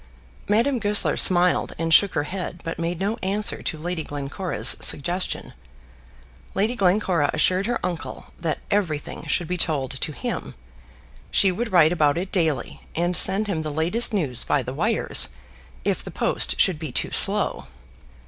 Madame Goesler smiled, and shook her head, but made no answer to Lady Glencora's suggestion. Lady Glencora assured her uncle that everything should be told to him. She would write about it daily, and send him the latest news by the wires if the post should be too slow.